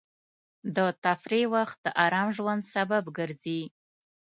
د تفریح وخت د ارام ژوند سبب ګرځي.